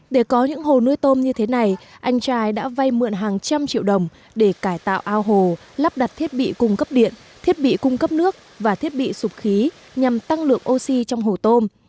để có những hồ nuôi tôm như thế này anh trai đã vay mượn hàng trăm triệu đồng để cải tạo ao hồ lắp đặt thiết bị cung cấp điện thiết bị cung cấp nước và thiết bị sụp khí nhằm tăng lượng oxy trong hồ tôm